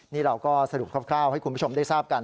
นี่เราก็สรุปคร่าวให้คุณผู้ชมได้ทราบกัน